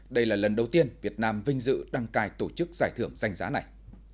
đây là lần đầu tiên việt nam vinh dự đăng cài tổ chức giải thưởng danh giá này